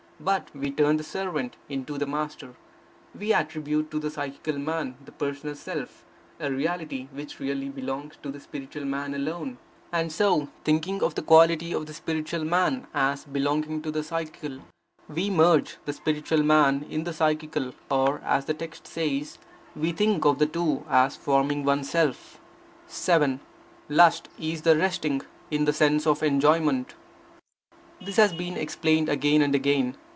But we turn the servant into the master. We attribute to the psychical man, the personal self, a reality which really belongs to the spiritual man alone; and so, thinking of the quality of the spiritual man as belonging to the psychical, we merge the spiritual man in the psychical; or, as the text says, we think of the two as forming one self. 7. Lust is the resting in the sense of enjoyment. This has been explained again and again.